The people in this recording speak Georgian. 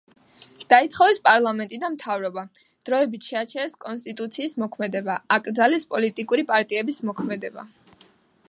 დაითხოვეს პარლამენტი და მთავრობა, დროებით შეაჩერეს კონსტიტუციის მოქმედება, აკრძალეს პოლიტიკური პარტიების მოქმედება.